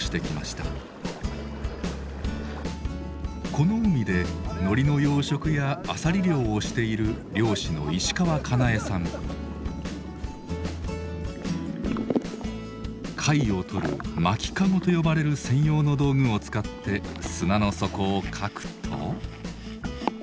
この海でノリの養殖やアサリ漁をしている漁師の貝を採る「まき籠」と呼ばれる専用の道具を使って砂の底をかくと。